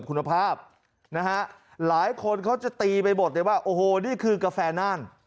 คุณจะขายของคุณภาพสวนทางกับราคา